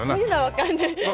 わかんない？